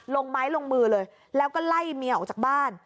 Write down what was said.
ลงไม้ลงมือเลยแล้วก็ไล่เมียออกจากบ้าน